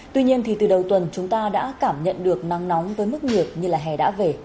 tuy nhiên thì từ đầu tuần chúng ta đã cảm nhận được nắng nóng với mức nhiệt như là hè đã về